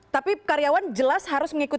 tapi karyawan jelas harus mengikuti